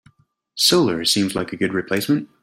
Solar seems like a good replacement.